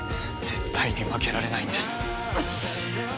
絶対に負けられないんですよしっ！